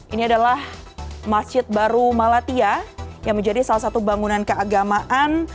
ini adalah masjid baru malatya yang menjadi salah satu bangunan keagamaan